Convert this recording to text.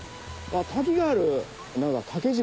滝がある。